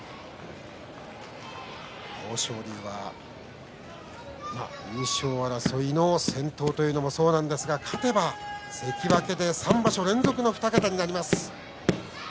豊昇龍は優勝争いの先頭というのもそうですが勝てば関脇で３場所連続の２桁になります。